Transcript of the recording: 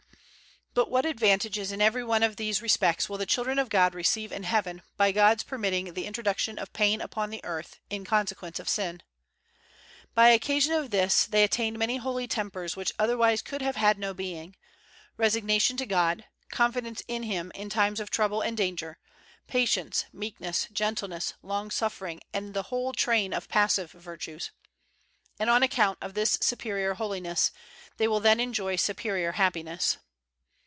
But what advantages in every one of these re spects will the children of God receive in heaven by God's permitting the introduction of pain upon earth in consequence of sin? By occasion of this they attained many holy tempers which otherwise could have had no being: resigna tion to God, confidence in Him in times of trouble and danger, patience, meekness, gentleness, long suffering, and the whole train of passive virtues. And on account of this superior holi ness they will then enjoy superior happiness.